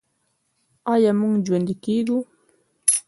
آیا موږ ژوندي کیږو؟